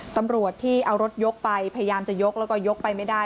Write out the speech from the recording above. ตำรวจที่เอารถยกไปพยายามจะยกแล้วก็ยกไปไม่ได้